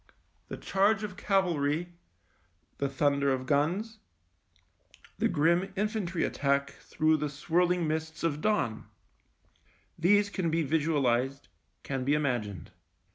The charge of cavalry, the thunder of guns, the grim infantry attack through the swirling mists of dawn, these can be visualised, can be imagined.